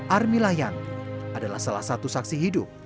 armila yan adalah salah satu saksi hidup